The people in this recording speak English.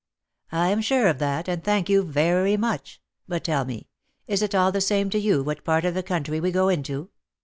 "I am sure of that, and thank you very much. But tell me, is it all the same to you what part of the country we go into?"